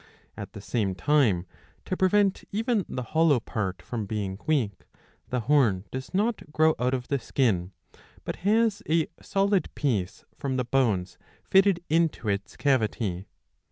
At the same time, to prevent even the hollow part from being weak, the horn does not grow out of the skin, but has a solid piece from the bones fitted into its cavity.